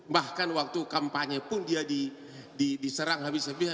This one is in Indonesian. bahkan waktu kampanye pun dia diserang habis habisan